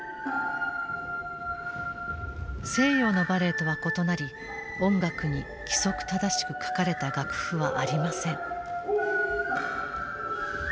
西洋のバレエとは異なり音楽に規則正しく書かれた楽譜はありません。